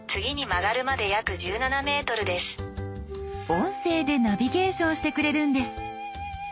音声でナビゲーションしてくれるんです。